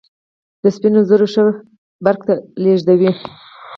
د سپینو زرو ښه برېښنا لېږدوي.